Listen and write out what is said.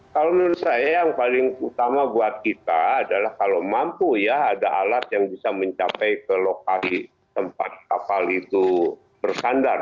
kalau menurut saya yang paling utama buat kita adalah kalau mampu ya ada alat yang bisa mencapai ke lokasi tempat kapal itu bersandar